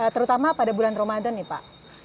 terutama pada bulan ramadan nih pak